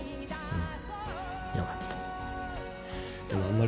うん。